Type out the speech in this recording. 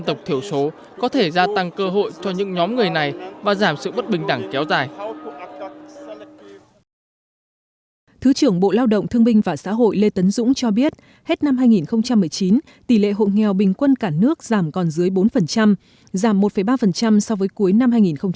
thứ trưởng bộ lao động thương binh và xã hội lê tấn dũng cho biết hết năm hai nghìn một mươi chín tỷ lệ hộ nghèo bình quân cả nước giảm còn dưới bốn giảm một ba so với cuối năm hai nghìn một mươi tám